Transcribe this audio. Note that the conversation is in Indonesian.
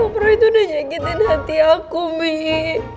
om roy tuh udah nyegetin hati aku mi